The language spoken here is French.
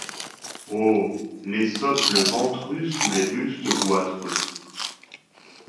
Oh ! les socles ventrus sous lés bustes goitreux !